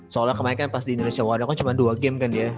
soalnya kemarin kan pas di indonesian warriors kan cuma dua game kan dia